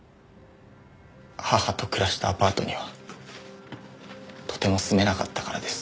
母と暮らしたアパートにはとても住めなかったからです。